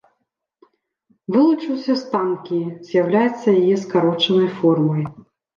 Вылучыўся з танкі, з'яўляецца яе скарочанай формай.